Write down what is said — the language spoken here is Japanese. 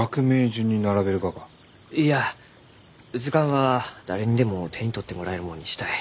いや図鑑は誰にでも手に取ってもらえるもんにしたい。